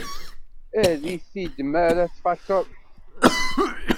Err-it-id m ara tfakkeḍ.